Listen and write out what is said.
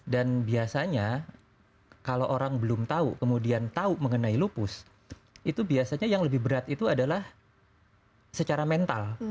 dan biasanya kalau orang belum tahu kemudian tahu mengenai lupus itu biasanya yang lebih berat itu adalah secara mental